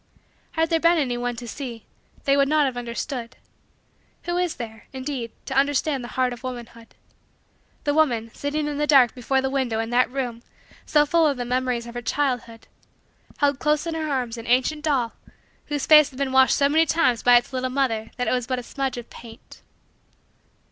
Had there been any one to see, they would not have understood. Who is there, indeed, to understand the heart of womanhood? The woman, sitting in the dark before the window in that room so full of the memories of her childhood, held close in her arms an ancient doll whose face had been washed so many times by its little mother that it was but a smudge of paint.